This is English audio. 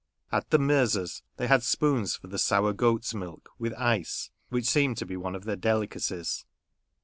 At the Mirza's they had spoons for the sour goat's milk, with ice, which seemed to be one of their delicacies.